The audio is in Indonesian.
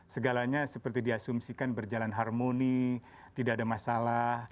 segalanya seperti diasumsikan berjalan harmoni tidak ada masalah